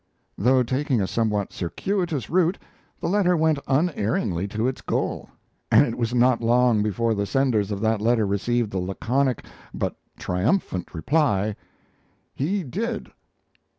Though taking a somewhat circuitous route, the letter went unerringly to its goal; and it was not long before the senders of that letter received the laconic, but triumphant reply: "He did."